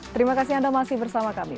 terima kasih anda masih bersama kami